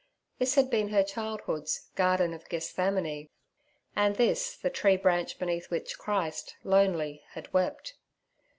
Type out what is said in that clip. This had been her childhood's Garden of Gethsemane, and this the tree beneath which Christ, lonely, had wept.